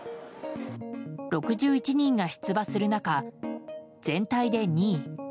６１人が出馬する中全体で２位。